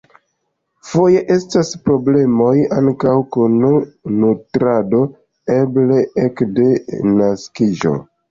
Foje estas problemoj ankaŭ kun nutrado, eble ekde naskiĝo.